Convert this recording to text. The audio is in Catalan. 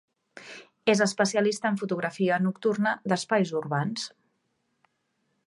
És especialista en fotografia nocturna d'espais urbans.